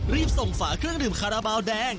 รีบส่งฝาเครื่องดื่มคาราบาลแดง